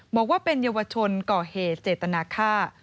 บอกว่าเป็นเยาวชนก่อเหตุเจตนาฆ่า